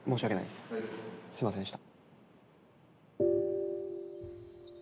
すいませんでした。